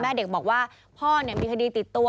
แม่เด็กบอกว่าพ่อเนี่ยมีคดีติดตัว